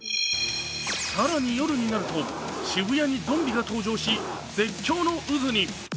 更に、夜になると渋谷にゾンビが登場し、絶叫の渦に。